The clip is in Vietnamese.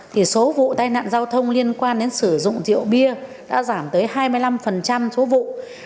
thì số vụ tai nạn giao thông liên quan đến sử dụng rượu bia đã giảm tới hai mươi năm số vụ